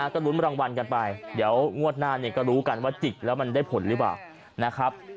ก็ลุ้นรางวัลกันไปเดี๋ยวงวดหน้าเนี่ยก็รู้กันว่าจิกแล้วมันได้ผลหรือเปล่านะครับ